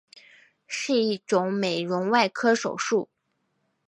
是一种美容外科手术。